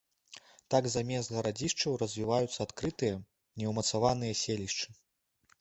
Так замест гарадзішчаў развіваюцца адкрытыя, неўмацаваныя селішчы.